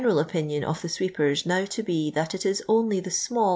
al opinion oi the swi ej ers rmn to W . that it it only tiie small ar.